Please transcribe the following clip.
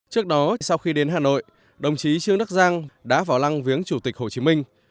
trước đó sau khi đến hà nội đồng chí trương đắc giang đã vào lăng viếng chủ tịch hồ chí minh